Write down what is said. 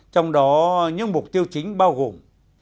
trong đó những mục tiêu chính bao gồm